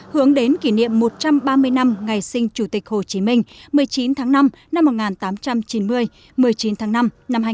hướng đến kỷ niệm một trăm ba mươi năm ngày sinh chủ tịch hồ chí minh một mươi chín tháng năm năm một nghìn tám trăm chín mươi một mươi chín tháng năm năm hai nghìn hai mươi